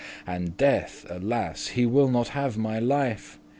And Death, alas! he will not have my life.